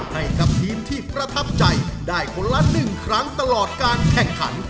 ให้กับทีมที่ประทับใจได้คนละ๑ครั้งตลอดการแข่งขัน